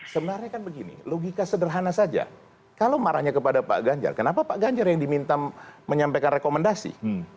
sebenarnya kan begini logika sederhana saja kalau marahnya kepada pak ganjar kenapa pak ganjar yang diminta menyampaikan rekomendasi